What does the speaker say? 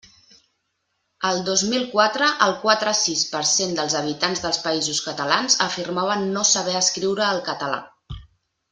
El dos mil quatre el quatre-sis per cent dels habitants dels Països Catalans afirmaven no saber escriure el català.